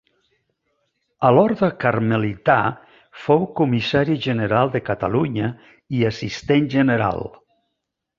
A l'orde carmelità fou comissari general de Catalunya i assistent general.